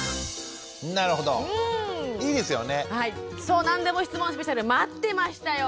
そう「なんでも質問スペシャル」待ってましたよ！